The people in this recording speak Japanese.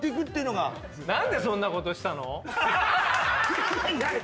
何でそんなことしたの。